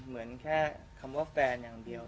ไม่เป็นแค่คำว่าแฟนอย่างเดียว